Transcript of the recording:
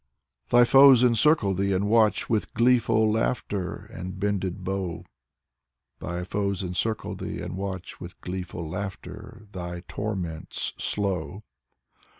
Thy foes encircle thee and watch with gleeful laughter And bended bow, Thy foes encircle thee and watch with gleeful laughter Thy torments slow.